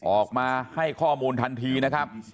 ออกมาให้ข้อมูลทันทีนะครับ